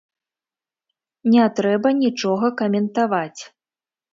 Не трэба нічога каментаваць.